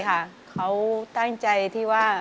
หล่นหล่น